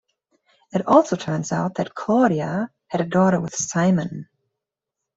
It also turns out that Claudia had a daughter with Simon.